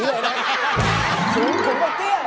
ฝรืมไปเตี้ยเลย